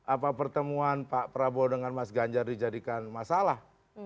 apa pertemuan pak prabowo dengan mas ganjar dijadikan masalah